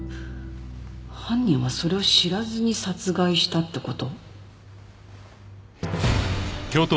犯人はそれを知らずに殺害したって事？